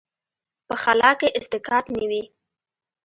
په خلا کې اصطکاک نه وي.